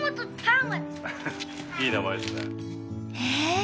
へえ！